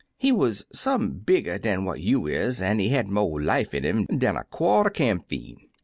He wuz some bigger dan what you is, an' he had mo' life in him dan a quart er camphene.